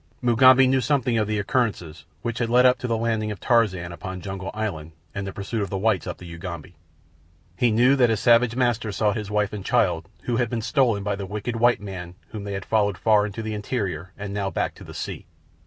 Mugambi knew something of the occurrences which had led up to the landing of Tarzan upon Jungle Island and the pursuit of the whites up the Ugambi. He knew that his savage master sought his wife and child who had been stolen by the wicked white man whom they had followed far into the interior and now back to the sea.